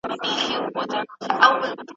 تاسو باید د مقالي لپاره یو منظم پلان ولرئ.